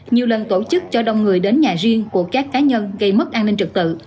nhiều lần tổ chức cho đông người đến nhà riêng của các cá nhân gây mất an ninh trực tự